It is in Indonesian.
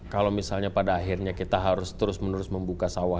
kalau misalnya pada akhirnya kita harus terus menerus membuka sawah